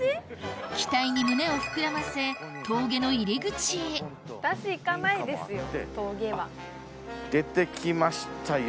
期待に胸を膨らませ峠の入り口へ出てきましたよ